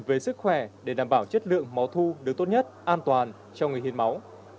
về sức khỏe để đảm bảo chất lượng máu thu được tốt nhất an toàn cho người hiến máu